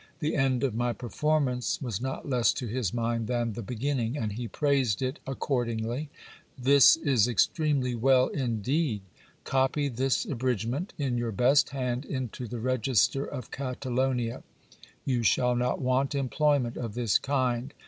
The end of my performance was not less to his mind than the beginning; and he praised it accordingly: This is extremely well indeed! Copy this abridgment in your best hand into the register of Catalonia. You shall not want employment of this kind.